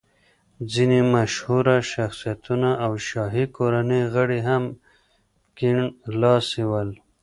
ځینې مشهوره شخصیتونه او شاهي کورنۍ غړي هم کیڼ لاسي ول.